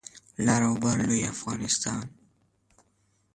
لر او بر لوی افغانستان